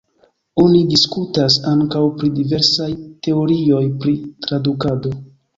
Oni diskutas ankaŭ pri diversaj teorioj pri tradukado.